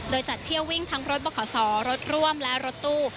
โดยจัดเที่ยววิ่งทั้งรถบขรถร่วมและรถตู้